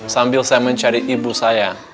sambil saya mencari ibu saya